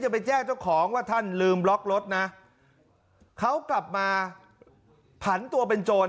ไปแจ้งเจ้าของว่าท่านลืมล็อกรถนะเขากลับมาผันตัวเป็นโจร